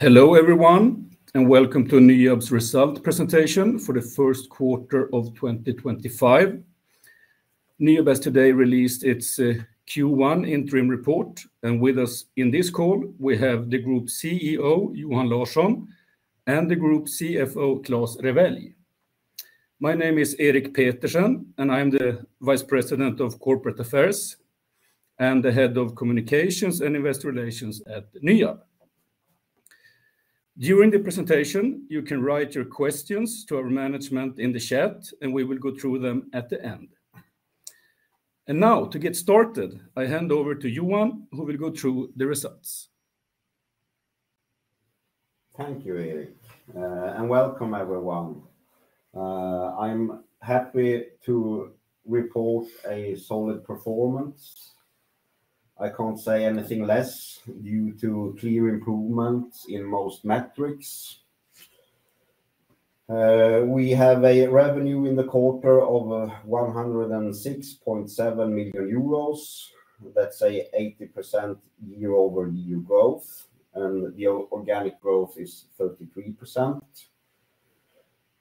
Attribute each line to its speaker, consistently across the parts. Speaker 1: Hello everyone, and welcome to NYAB's result presentation for the First Quarter of 2025. NYAB has today released its Q1 interim report, and with us in this call, we have the Group CEO, Johan Larsson, and the Group CFO, Klas Rewelj. My name is Erik Petersen, and I'm the Vice President of Corporate Affairs and the Head of Communications and Investor Relations at NYAB. During the presentation, you can write your questions to our management in the chat, and we will go through them at the end. Now, to get started, I hand over to Johan, who will go through the results.
Speaker 2: Thank you, Erik, and welcome everyone. I'm happy to report a solid performance. I can't say anything less due to clear improvements in most metrics. We have a revenue in the quarter of 106.7 million euros. That's an 80% year-over-year growth, and the organic growth is 33%.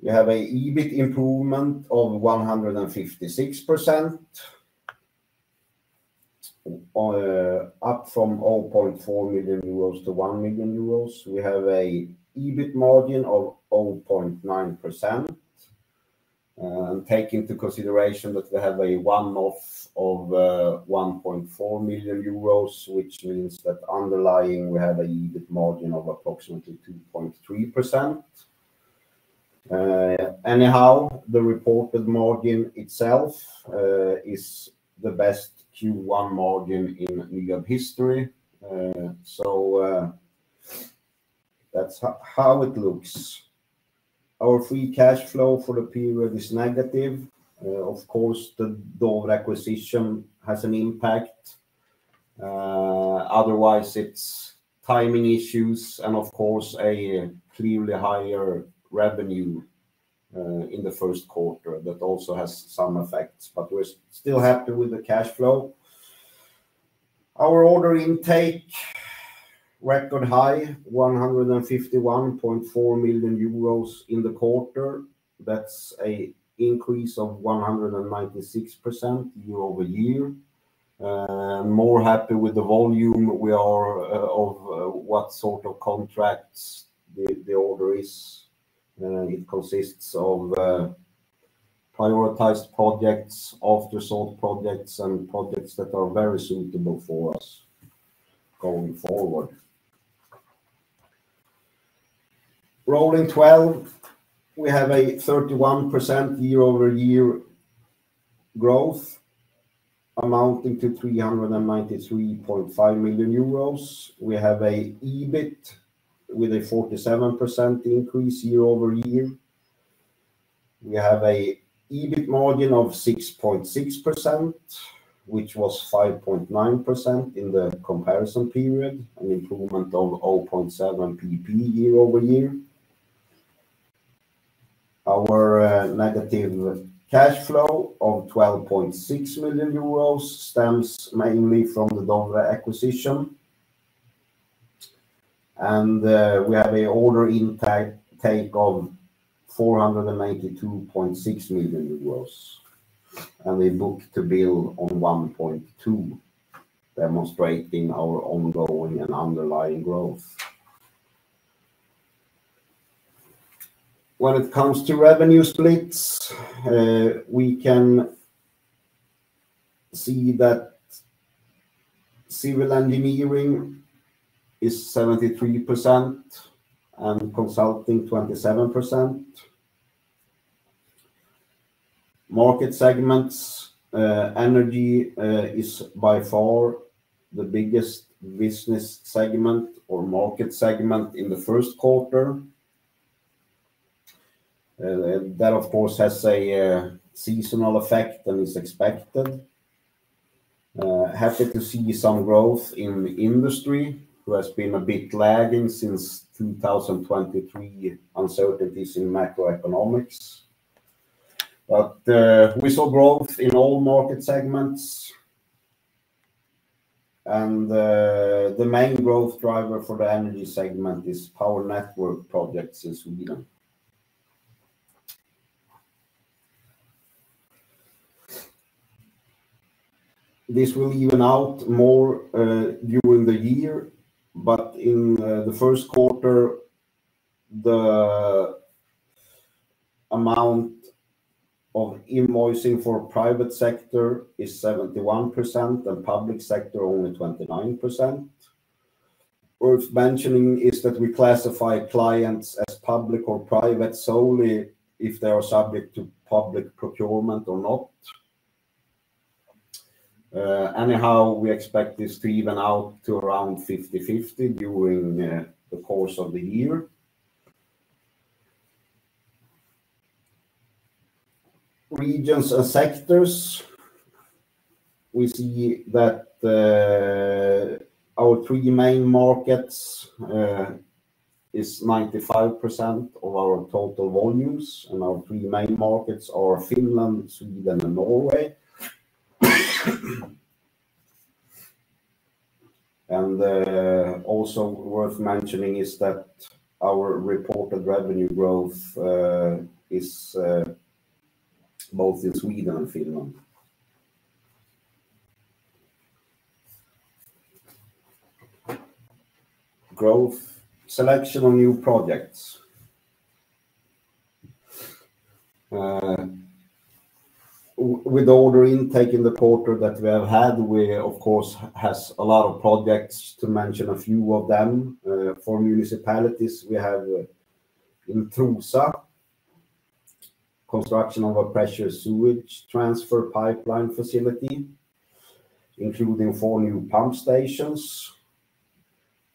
Speaker 2: We have an EBIT improvement of 156%, up from 0.4 million-1 million euros. We have an EBIT margin of 0.9%. Taking into consideration that we have a one-off of 1.4 million euros, which means that underlying we have an EBIT margin of approximately 2.3%. Anyhow, the reported margin itself is the best Q1 margin in NYAB history. That's how it looks. Our free cash flow for the period is negative. Of course, the Dovre acquisition has an impact. Otherwise, it's timing issues and, of course, a clearly higher revenue in the first quarter that also has some effects. We're still happy with the cash flow. Our order intake, record high, 151.4 million euros in the quarter. That's an increase of 196% year-over-year. More happy with the volume we are of what sort of contracts the order is. It consists of prioritized projects, after-sold projects, and projects that are very suitable for us going forward. Rolling 12, we have a 31% year-over-year growth amounting to 393.5 million euros. We have an EBIT with a 47% increase year-over-year. We have an EBIT margin of 6.6%, which was 5.9% in the comparison period, an improvement of 0.7 percentage points year-over-year. Our negative cash flow of 12.6 million euros stems mainly from the Dovre acquisition. We have an order intake of 492.6 million euros and a book-to-bill on 1.2, demonstrating our ongoing and underlying growth. When it comes to revenue splits, we can see that civil engineering is 73% and consulting 27%. Market segments, energy is by far the biggest business segment or market segment in the first quarter. That, of course, has a seasonal effect and is expected. Happy to see some growth in industry, who has been a bit lagging since 2023 uncertainties in macroeconomics. We saw growth in all market segments. The main growth driver for the energy segment is power network projects in Sweden. This will even out more during the year, but in the first quarter, the amount of invoicing for private sector is 71% and public sector only 29%. Worth mentioning is that we classify clients as public or private solely if they are subject to public procurement or not. Anyhow, we expect this to even out to around 50-50 during the course of the year. Regions and sectors, we see that our three main markets is 95% of our total volumes, and our three main markets are Finland, Sweden, and Norway. Also worth mentioning is that our reported revenue growth is both in Sweden and Finland. Growth, selection on new projects. With the order intake in the quarter that we have had, we, of course, have a lot of projects. To mention a few of them, for municipalities, we have in Trosa, construction of a pressure sewage transfer pipeline facility, including four new pump stations.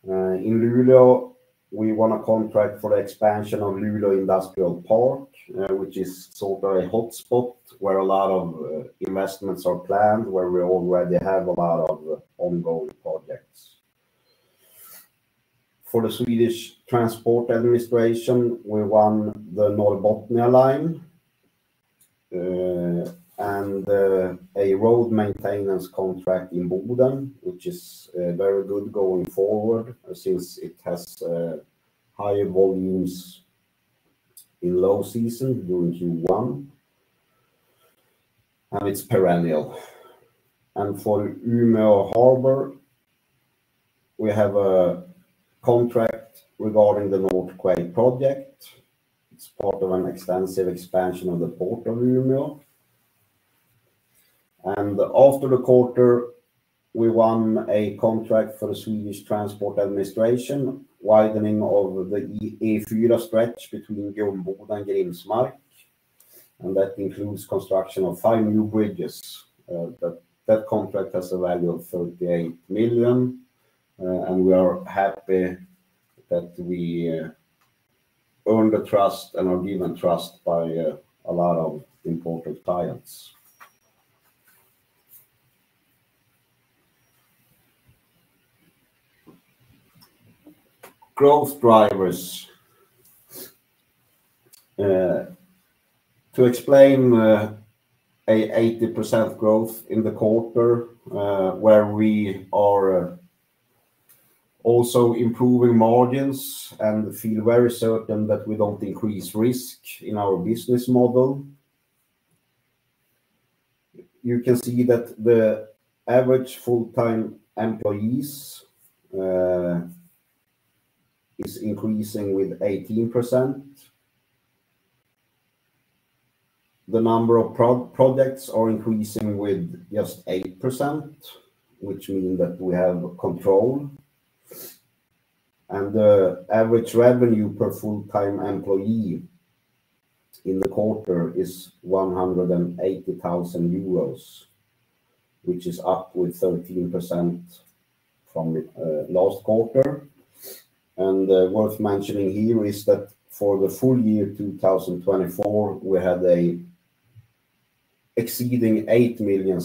Speaker 2: In Luleå, we won a contract for the expansion of Luleå Industrial Park, which is sort of a hotspot where a lot of investments are planned, where we already have a lot of ongoing projects. For the Swedish Transport Administration, we won the North Bothnia line and a road maintenance contract in Boden, which is very good going forward since it has higher volumes in low season during Q1. It is perennial. For Umeå Harbour, we have a contract regarding the North Quay project. It is part of an extensive expansion of the port of Umeå. After the quarter, we won a contract for the Swedish Transport Administration, widening of the E4 stretch between Göteborg and Grimsmark. That includes construction of five new bridges. That contract has a value of 38 million, and we are happy that we earned the trust and are given trust by a lot of important clients. Growth drivers. To explain an 80% growth in the quarter, where we are also improving margins and feel very certain that we do not increase risk in our business model. You can see that the average full-time employees is increasing with 18%. The number of projects are increasing with just 8%, which means that we have control. The average revenue per full-time employee in the quarter is 180,000 euros, which is up with 13% from last quarter. Worth mentioning here is that for the full year 2024, we had an exceeding EUR 8 million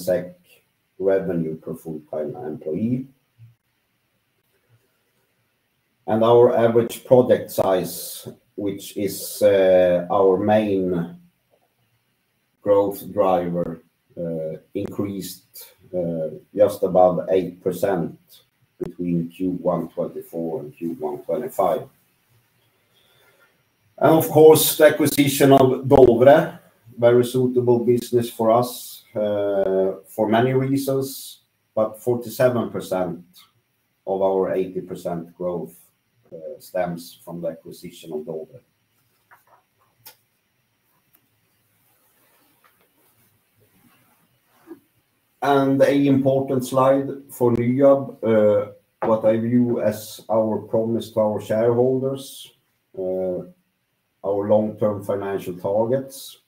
Speaker 2: revenue per full-time employee. Our average project size, which is our main growth driver, increased just above 8% between Q1-2024 and Q1-2025. The acquisition of Dovre, a very suitable business for us for many reasons, but 47% of our 80% growth stems from the acquisition of Dovre. An important slide for NYAB, what I view as our promise to our shareholders, our long-term financial targets.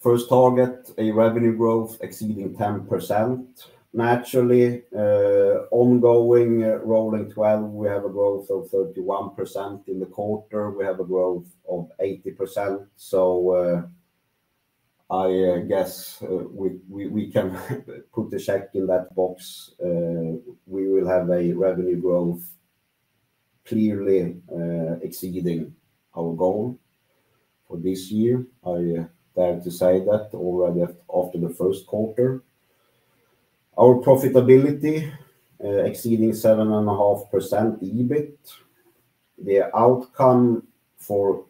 Speaker 2: First target, a revenue growth exceeding 10%. Naturally, ongoing rolling 12, we have a growth of 31% in the quarter. We have a growth of 80%. I guess we can put the check in that box. We will have a revenue growth clearly exceeding our goal for this year. I dare to say that already after the first quarter. Our profitability exceeding 7.5% EBIT. The outcome for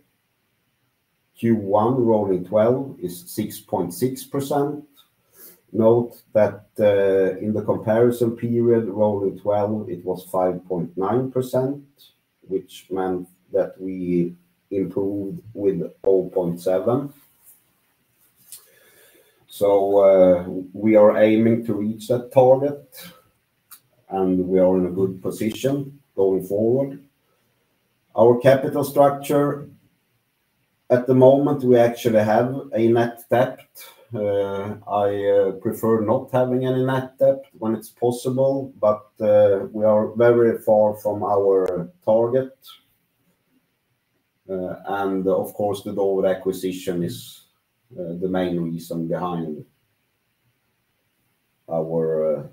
Speaker 2: Q1 rolling 12 is 6.6%. Note that in the comparison period, rolling 12, it was 5.9%, which meant that we improved with 0.7. We are aiming to reach that target, and we are in a good position going forward. Our capital structure, at the moment, we actually have a net debt. I prefer not having any net debt when it's possible, but we are very far from our target. Of course, the Dovre acquisition is the main reason behind our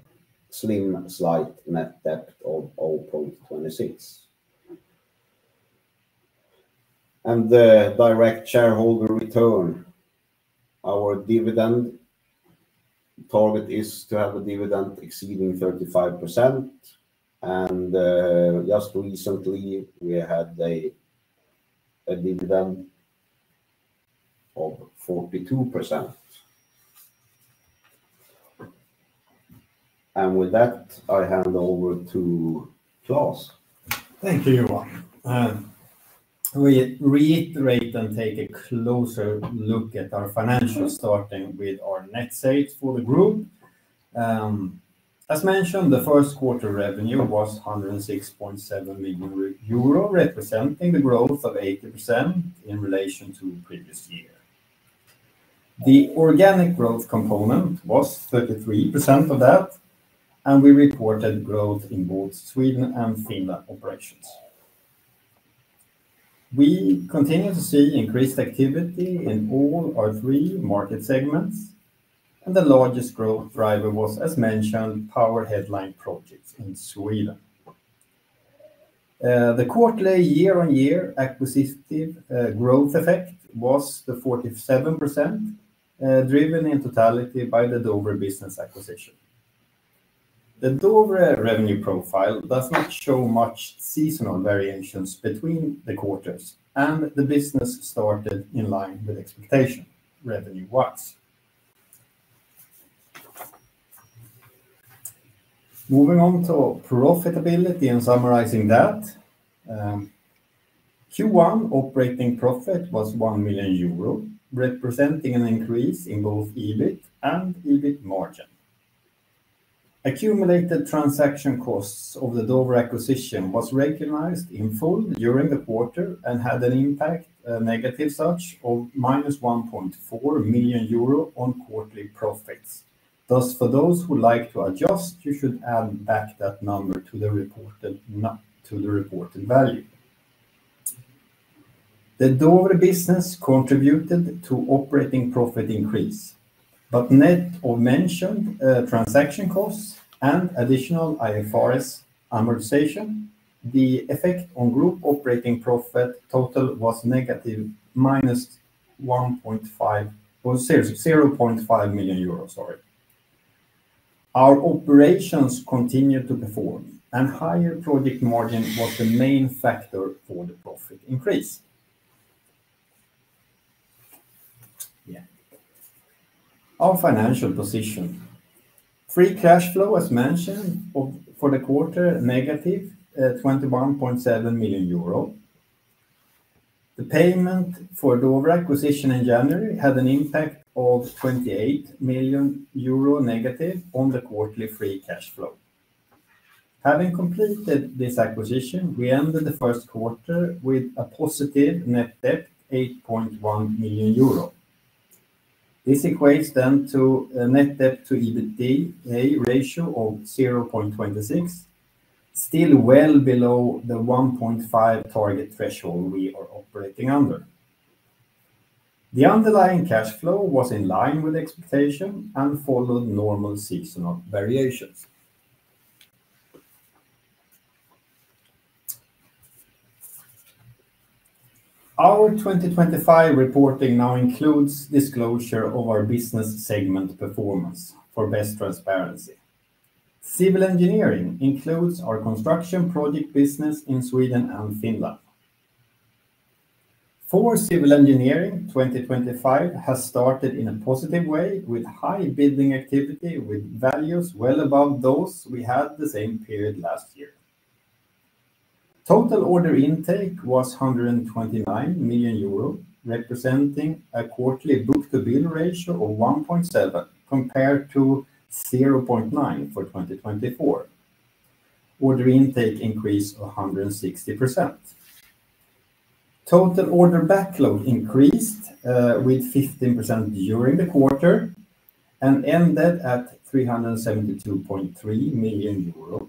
Speaker 2: slight net debt of 0.26. The direct shareholder return, our dividend target is to have a dividend exceeding 35%. Just recently, we had a dividend of 42%. With that, I hand over to Klas.
Speaker 3: Thank you, Johan. We reiterate and take a closer look at our financials, starting with our net sales for the group. As mentioned, the first quarter revenue was 106.7 million euro, representing the growth of 80% in relation to the previous year. The organic growth component was 33% of that, and we reported growth in both Sweden and Finland operations. We continue to see increased activity in all our three market segments, and the largest growth driver was, as mentioned, power headline projects in Sweden. The quarterly year-on-year acquisitive growth effect was the 47%, driven in totality by the Dovre business acquisition. The Dovre revenue profile does not show much seasonal variations between the quarters, and the business started in line with expectation revenue-wise. Moving on to profitability and summarizing that, Q1 operating profit was 1 million euro, representing an increase in both EBIT and EBIT margin. Accumulated transaction costs of the Dovre acquisition were recognized in full during the quarter and had an impact, a negative such of 1.4 million euro on quarterly profits. Thus, for those who like to adjust, you should add back that number to the reported value. The Dovre business contributed to operating profit increase, but net of mentioned transaction costs and additional IFRS amortization, the effect on group operating profit total was negative minus 1.5 million euros. Our operations continued to perform, and higher project margin was the main factor for the profit increase. Our financial position, free cash flow, as mentioned for the quarter, negative 21.7 million euro. The payment for Dovre acquisition in January had an impact of 28 million euro negative on the quarterly free cash flow. Having completed this acquisition, we ended the first quarter with a positive net debt 8.1 million euro. This equates then to a net debt to EBITDA ratio of 0.26, still well below the 1.5 target threshold we are operating under. The underlying cash flow was in line with expectation and followed normal seasonal variations. Our 2025 reporting now includes disclosure of our business segment performance for best transparency. Civil engineering includes our construction project business in Sweden and Finland. For civil engineering, 2025 has started in a positive way with high building activity, with values well above those we had the same period last year. Total order intake was 129 million euro, representing a quarterly book-to-bill ratio of 1.7 compared to 0.9 for 2024. Order intake increased 160%. Total order backlog increased 15% during the quarter and ended at 372.3 million euro,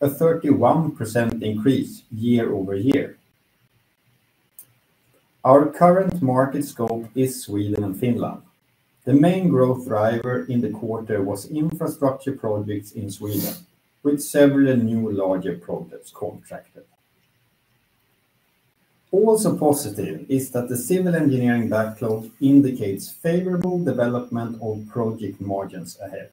Speaker 3: a 31% increase year-over-year. Our current market scope is Sweden and Finland. The main growth driver in the quarter was infrastructure projects in Sweden, with several new larger projects contracted. Also positive is that the civil engineering backlog indicates favorable development of project margins ahead.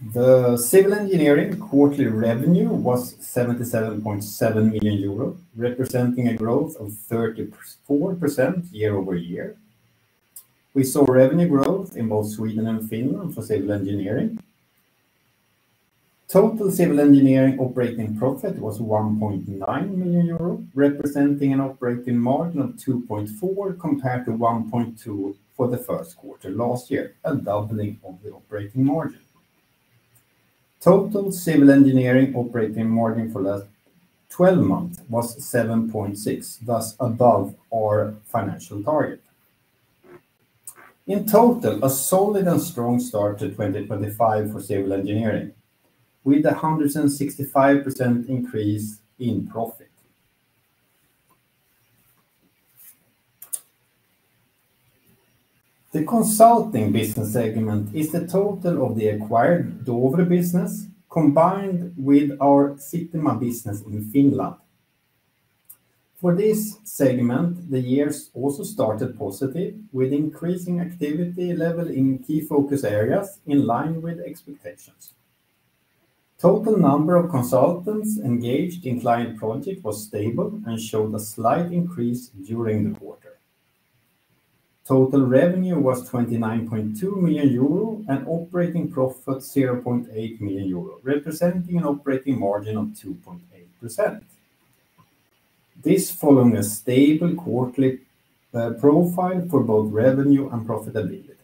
Speaker 3: The civil engineering quarterly revenue was 77.7 million euro, representing a growth of 34% year-over-year. We saw revenue growth in both Sweden and Finland for civil engineering. Total civil engineering operating profit was 1.9 million euro, representing an operating margin of 2.4% compared to 1.2% for the first quarter last year, a doubling of the operating margin. Total civil engineering operating margin for the last 12 months was 7.6%, thus above our financial target. In total, a solid and strong start to 2025 for civil engineering, with a 165% increase in profit. The consulting business segment is the total of the acquired Dovre business combined with our Sitima business in Finland. For this segment, the years also started positive, with increasing activity level in key focus areas in line with expectations. Total number of consultants engaged in client projects was stable and showed a slight increase during the quarter. Total revenue was 29.2 million euro and operating profit 0.8 million euro, representing an operating margin of 2.8%. This follows a stable quarterly profile for both revenue and profitability.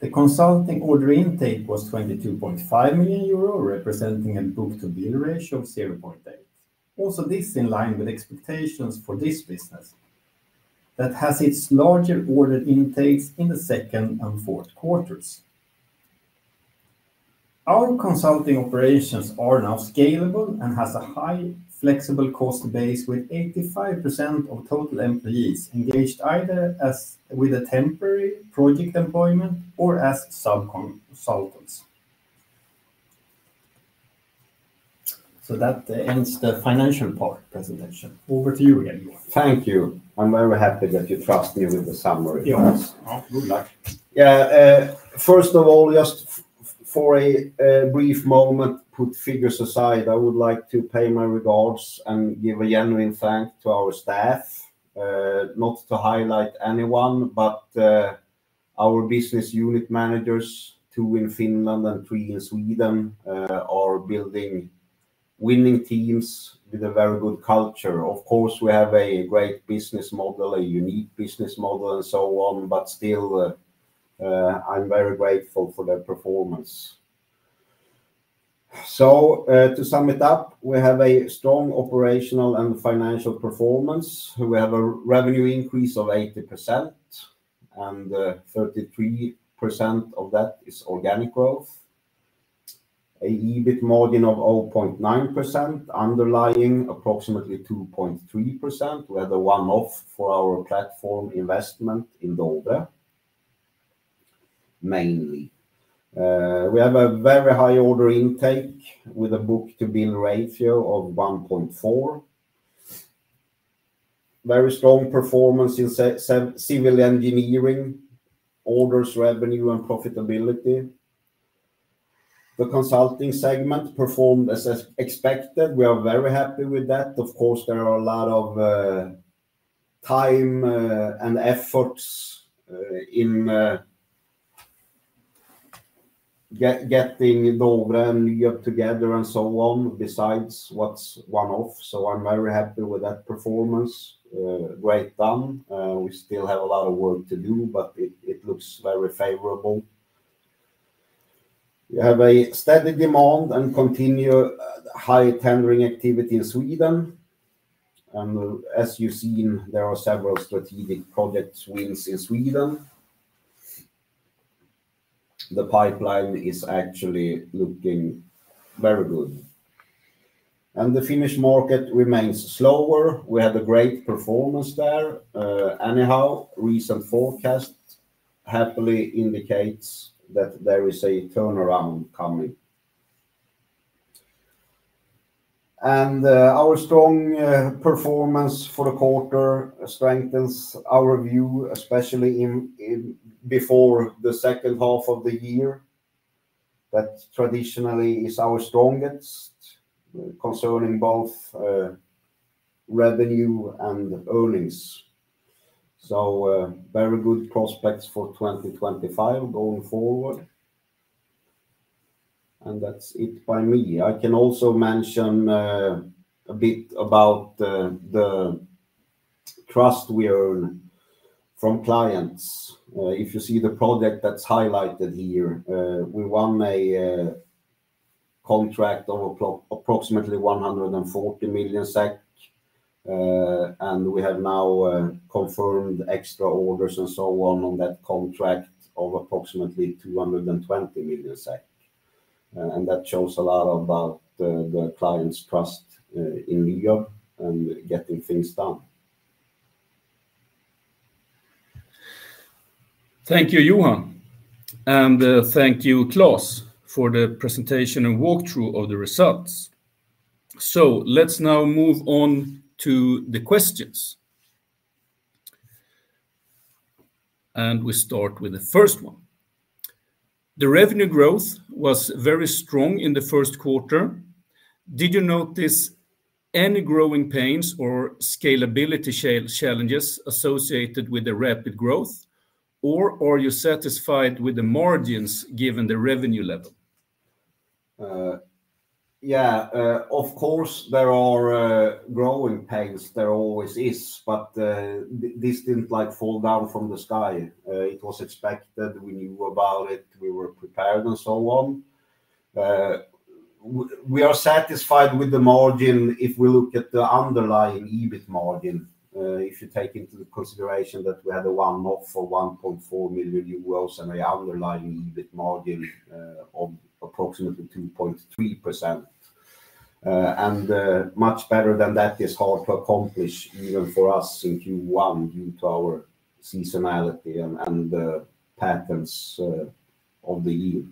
Speaker 3: The consulting order intake was 22.5 million euro, representing a book-to-bill ratio of 0.8. Also, this is in line with expectations for this business that has its larger order intakes in the second and fourth quarters. Our consulting operations are now scalable and have a high flexible cost base with 85% of total employees engaged either as with a temporary project employment or as sub-consultants. That ends the financial part presentation. Over to you, Johan.
Speaker 2: Thank you. I'm very happy that you trust me with the summary.
Speaker 3: Yes. Good luck.
Speaker 2: Yeah. First of all, just for a brief moment, put figures aside, I would like to pay my regards and give a genuine thanks to our staff. Not to highlight anyone, but our business unit managers, two in Finland and three in Sweden, are building winning teams with a very good culture. Of course, we have a great business model, a unique business model, and so on, but still, I'm very grateful for their performance. To sum it up, we have a strong operational and financial performance. We have a revenue increase of 80%, and 33% of that is organic growth. An EBIT margin of 0.9%, underlying approximately 2.3%. We had a one-off for our platform investment in Dovre, mainly. We have a very high order intake with a book-to-bill ratio of 1.4. Very strong performance in civil engineering, orders, revenue, and profitability. The consulting segment performed as expected. We are very happy with that. Of course, there are a lot of time and efforts in getting Dovre and NYAB together and so on, besides what is one-off. I am very happy with that performance. Great done. We still have a lot of work to do, but it looks very favorable. We have a steady demand and continue high tendering activity in Sweden. As you have seen, there are several strategic project wins in Sweden. The pipeline is actually looking very good. The Finnish market remains slower. We had a great performance there. Anyhow, recent forecasts happily indicate that there is a turnaround coming. Our strong performance for the quarter strengthens our view, especially before the second half of the year. That traditionally is our strongest concerning both revenue and earnings. Very good prospects for 2025 going forward. That is it by me. I can also mention a bit about the trust we earn from clients. If you see the project that's highlighted here, we won a contract of approximately 140 million SEK, and we have now confirmed extra orders and so on on that contract of approximately 220 million SEK. That shows a lot about the client's trust in NYAB and getting things done.
Speaker 1: Thank you, Johan. Thank you, Klas, for the presentation and walkthrough of the results. Let's now move on to the questions. We start with the first one. The revenue growth was very strong in the first quarter. Did you notice any growing pains or scalability challenges associated with the rapid growth, or are you satisfied with the margins given the revenue level?
Speaker 2: Yeah. Of course, there are growing pains. There always is. This did not fall down from the sky. It was expected. We knew about it. We were prepared and so on. We are satisfied with the margin if we look at the underlying EBIT margin. If you take into consideration that we had a one-off for 1.4 million euros and an underlying EBIT margin of approximately 2.3%. Much better than that is hard to accomplish, even for us in Q1, due to our seasonality and patterns of the year.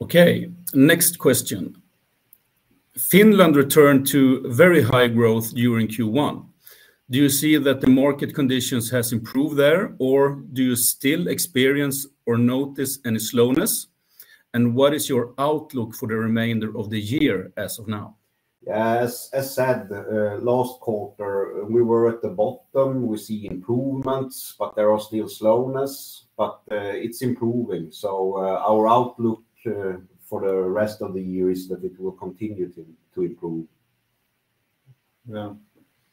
Speaker 1: Okay. Next question. Finland returned to very high growth during Q1. Do you see that the market conditions have improved there, or do you still experience or notice any slowness? What is your outlook for the remainder of the year as of now?
Speaker 2: Yeah. As said, last quarter, we were at the bottom. We see improvements, but there is still slowness, but it is improving. Our outlook for the rest of the year is that it will continue to improve.
Speaker 3: Yeah.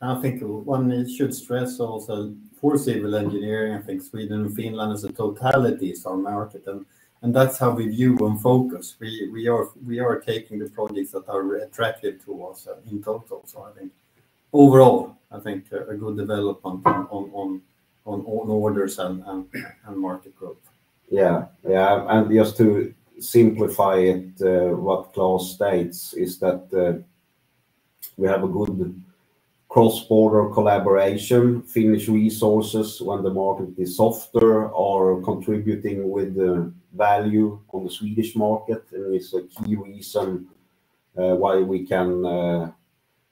Speaker 3: I think one should stress also for civil engineering, I think Sweden and Finland as a totality is our market. And that's how we view and focus. We are taking the projects that are attractive to us in total. I think overall, I think a good development on orders and market growth.
Speaker 2: Yeah. Yeah. Just to simplify it, what Klas states is that we have a good cross-border collaboration. Finnish resources, when the market is softer, are contributing with value on the Swedish market, and it's a key reason why we can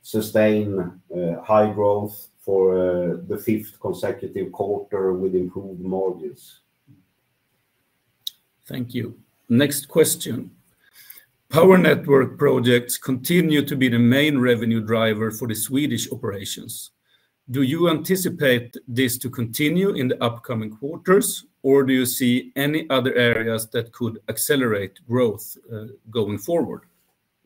Speaker 2: sustain high growth for the fifth consecutive quarter with improved margins.
Speaker 1: Thank you. Next question. Power network projects continue to be the main revenue driver for the Swedish operations. Do you anticipate this to continue in the upcoming quarters, or do you see any other areas that could accelerate growth going forward?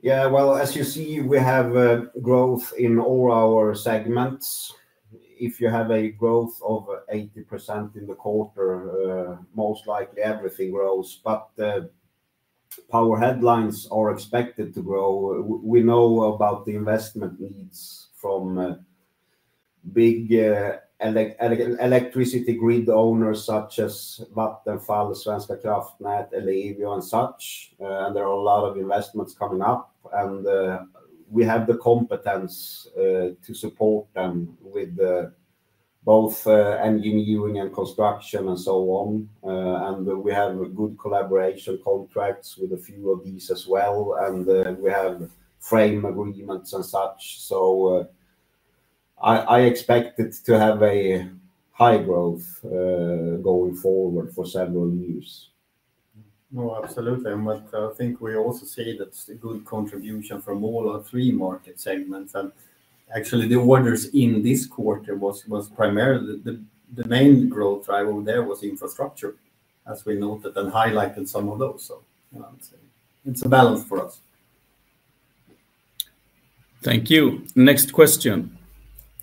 Speaker 2: Yeah. As you see, we have growth in all our segments. If you have a growth of 80% in the quarter, most likely everything grows. Power headlines are expected to grow. We know about the investment needs from big electricity grid owners such as Vattenfall, Svenska Kraftnät, Ellevio and such. There are a lot of investments coming up. We have the competence to support them with both engineering and construction and so on. We have good collaboration contracts with a few of these as well. We have frame agreements and such. I expect it to have a high growth going forward for several years.
Speaker 3: No, absolutely. I think we also see that's a good contribution from all our three market segments. Actually, the orders in this quarter were primarily, the main growth driver there was infrastructure, as we noted and highlighted some of those. It is a balance for us.
Speaker 1: Thank you. Next question.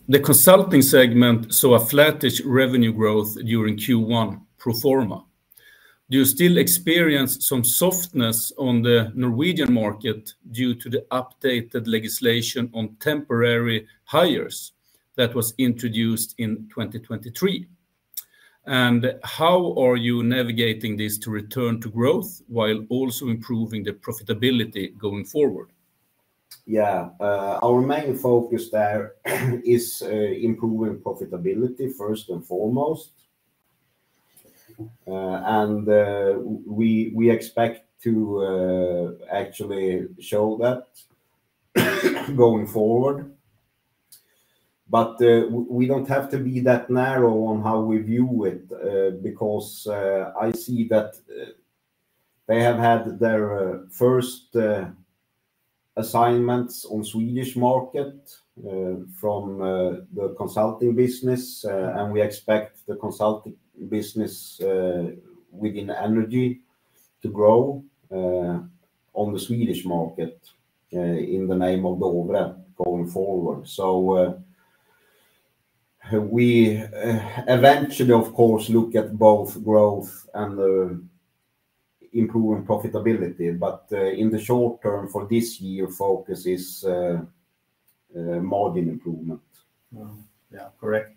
Speaker 1: The consulting segment saw a flattish revenue growth during Q1 pro forma. Do you still experience some softness on the Norwegian market due to the updated legislation on temporary hires that was introduced in 2023? How are you navigating this to return to growth while also improving the profitability going forward?
Speaker 2: Yeah. Our main focus there is improving profitability, first and foremost. We expect to actually show that going forward. We do not have to be that narrow on how we view it because I see that they have had their first assignments on the Swedish market from the consulting business. We expect the consulting business within energy to grow on the Swedish market in the name of Dovre going forward. We eventually, of course, look at both growth and improving profitability. In the short term for this year, focus is margin improvement.
Speaker 3: Yeah. Correct.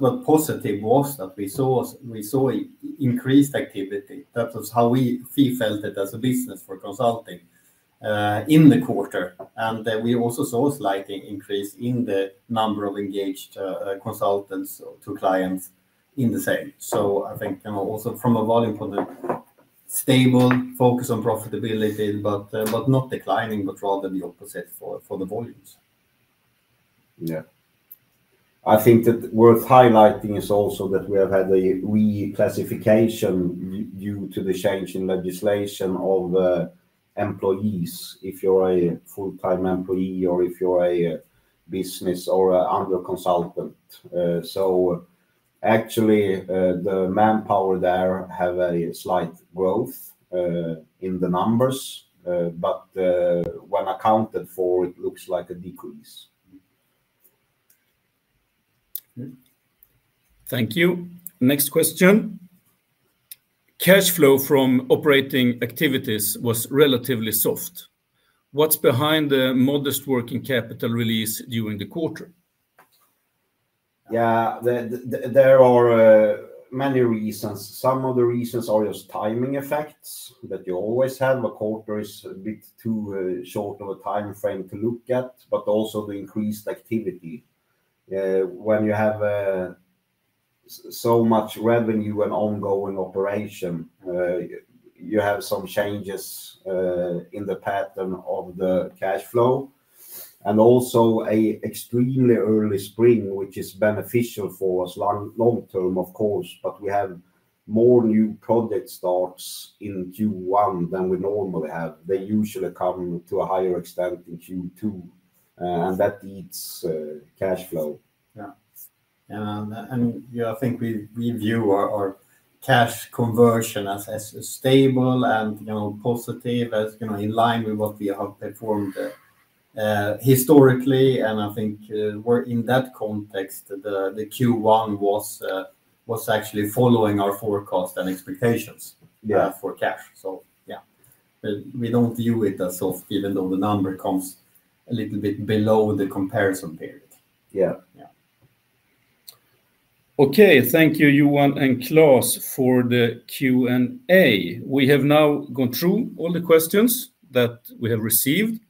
Speaker 3: What is positive is that we saw increased activity. That was how we felt it as a business for consulting in the quarter. We also saw a slight increase in the number of engaged consultants to clients in the same. I think also from a volume point of view, stable, focus on profitability, but not declining, but rather the opposite for the volumes.
Speaker 2: Yeah. I think that worth highlighting is also that we have had a reclassification due to the change in legislation of employees, if you're a full-time employee or if you're a business or under consultant. So actually, the manpower there has a slight growth in the numbers, but when accounted for, it looks like a decrease.
Speaker 1: Thank you. Next question. Cash flow from operating activities was relatively soft. What's behind the modest working capital release during the quarter?
Speaker 2: Yeah. There are many reasons. Some of the reasons are just timing effects that you always have. A quarter is a bit too short of a time frame to look at, but also the increased activity. When you have so much revenue and ongoing operation, you have some changes in the pattern of the cash flow. Also, an extremely early spring, which is beneficial for us long term, of course, but we have more new project starts in Q1 than we normally have. They usually come to a higher extent in Q2, and that eats cash flow.
Speaker 3: Yeah. Yeah, I think we view our cash conversion as stable and positive, as in line with what we have performed historically. I think in that context, the Q1 was actually following our forecast and expectations for cash. Yeah, we do not view it as soft, even though the number comes a little bit below the comparison period.
Speaker 2: Yeah.
Speaker 3: Yeah.
Speaker 1: Okay. Thank you, Johan and Klas, for the Q&A. We have now gone through all the questions that we have received.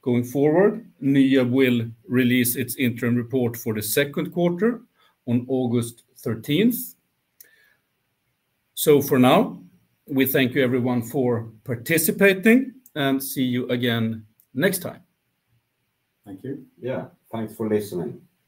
Speaker 1: Going forward, NYAB will release its interim report for the second quarter on August 13th. For now, we thank you everyone for participating and see you again next time.
Speaker 2: Thank you. Yeah. Thanks for listening.